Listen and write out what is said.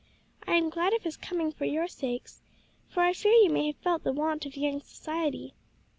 I am glad of his coming for your sakes, for I fear you may have felt the want of young society."